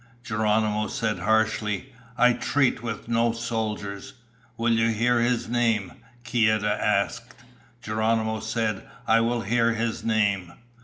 Geronimo said harshly, "I treat with no soldiers." "Will you hear his name?" Kieta asked. Geronimo said, "I will hear his name."